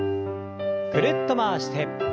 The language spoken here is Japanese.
ぐるっと回して。